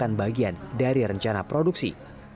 dan bahkan bagian dari rencana produksi